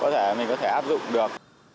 thì mình có thể áp dụng được